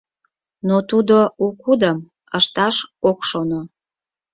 Но тудо у кудым ышташ ок шоно.